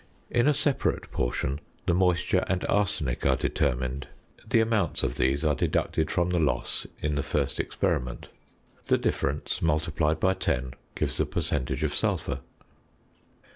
In a separate portion the moisture and arsenic are determined; the amounts of these are deducted from the loss in the first experiment. The difference, multiplied by 10, gives the percentage of sulphur.